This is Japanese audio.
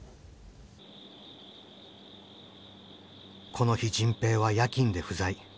この日迅平は夜勤で不在。